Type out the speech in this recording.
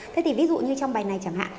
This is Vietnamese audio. thế thì ví dụ như trong bài này chẳng hạn